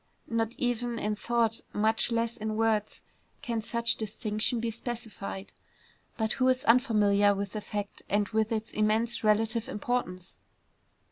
Not even in thought, much less in words, can such distinction be specified; but who is unfamiliar with the fact and with its immense relative importance?